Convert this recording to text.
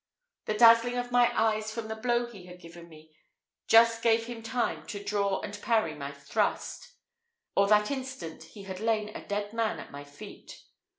The dazzling of my eyes from the blow he had given me just gave him time to draw and parry my thrust, or that instant he had lain a dead man at my feet.